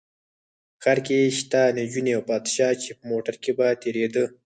په ښار کې شته نجونې او پادشاه چې په موټر کې به تېرېده.